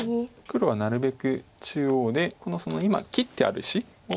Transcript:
黒はなるべく中央で今切ってある石を。